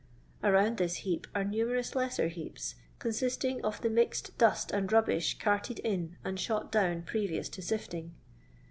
Around this heap are numerous lesser heaps, consisting of the mixed dust and rubbish carted in and shot down previous to sifting.